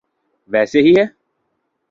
ویسی ہی ہیں۔